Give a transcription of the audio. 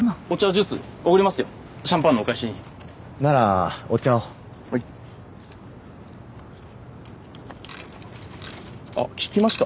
ジュース？おごりますよシャンパンのお返しにならお茶をはいあっ聞きました？